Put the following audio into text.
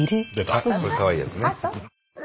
かわいいやつね。